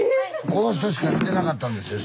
この人しかいてなかったんですよ。